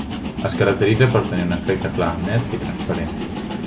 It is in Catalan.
Es caracteritza per tenir un aspecte clar, net i transparent.